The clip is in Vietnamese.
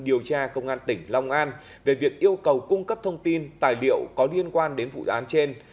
điều tra công an tỉnh long an về việc yêu cầu cung cấp thông tin tài liệu có liên quan đến vụ án trên